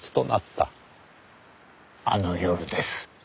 あの夜です